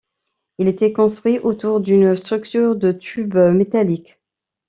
Il était construit autour d’une structure de tubes métalliques.